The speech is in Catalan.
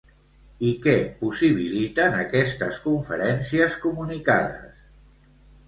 I què possibiliten aquestes conferències comunicades?